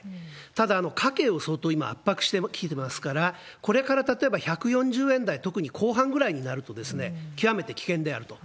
ただ、家計をそうとう今、圧迫してきてますから、これから例えば１４０円台、特に後半ぐらいになると、なるほど。